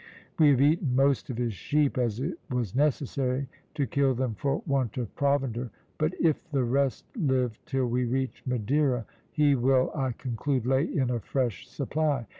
We have eaten most of his sheep, as it was necessary to kill them for want of provender; but if the rest live till we reach Madeira, he will, I conclude, lay in a fresh supply.